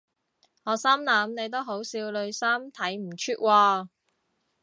我心諗你都好少女心睇唔出喎